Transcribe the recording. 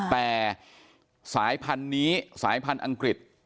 แต่สายพันธุ์นี้สายพันธุ์อังกฤษ